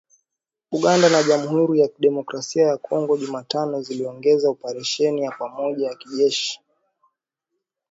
Uganda na Jamuhuri ya Kidemokrasia ya Kongo Jumatano ziliongeza operesheni ya pamoja ya kijeshi